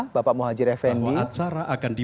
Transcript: bapak muhajir effendi